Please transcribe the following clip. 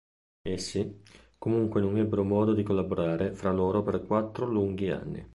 Essi, comunque non ebbero modo di collaborare fra loro per quattro lunghi anni.